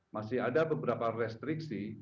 masih ada beberapa restriksi